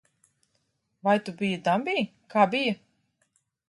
Vai tu biji dambī? Kā bija?